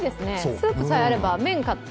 スープさえあれば、麺買って。